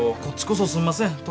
こっちこそすんません。